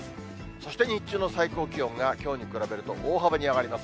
そして日中の最高気温が、きょうに比べると大幅に上がります。